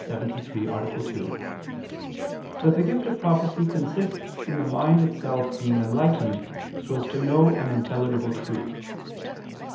2) that the gift of prophecy consists in the mind itself being enlightened so as to know an intelligible truth.